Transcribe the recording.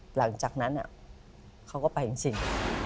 หลังจากนั้นเขาก็ไปจริง